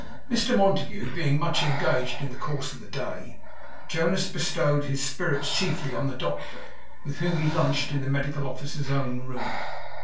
Mr Montague being much engaged in the course of the day, Jonas bestowed his spirits chiefly on the doctor, with whom he lunched in the medical officer's own room.